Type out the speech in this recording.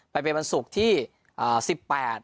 ไปในวาสุกที่อ่าสิบแปด